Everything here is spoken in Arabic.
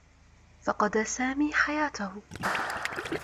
فقد سامي حياته.